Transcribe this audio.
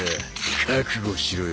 覚悟しろよ！